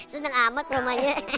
seneng amat rumahnya